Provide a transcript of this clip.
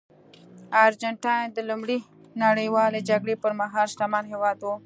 ارجنټاین د لومړۍ نړیوالې جګړې پرمهال شتمن هېواد و.